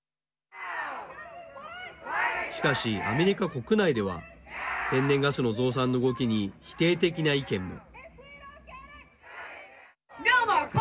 しかしアメリカ国内では天然ガスの増産の動きに否定的な意見も。